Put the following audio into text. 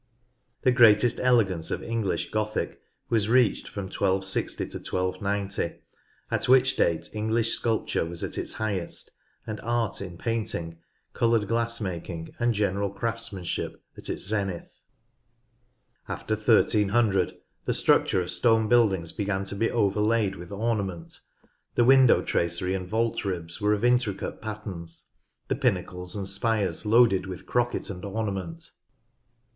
The greatest elegance of English Gothic was reached from 1260 to 1290, at which date English sculpture was at its highest, and art in painting, coloured glass making, and general craftsmanship at its zenith. After 1300 the structure of stone buildings began to be overlaid with ornament, the window tracery and vault ribs were of intricate patterns, the pinnacles and spires loaded with crocket and ornament.